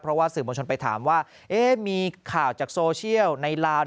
เพราะว่าสื่อมวลชนไปถามว่ามีข่าวจากโซเชียลในลาว